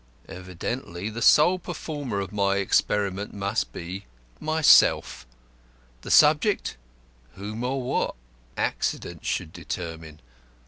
Evidently the sole performer of my experiment must be myself; the subject whom or what? Accident should determine.